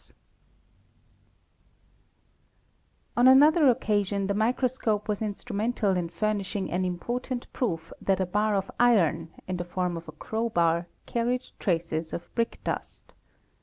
DUST 211 On another occasion the microscope was instrumental in furnishing an important proof that a bar of iron, in the form of a crowbar, carried traces of brick dust.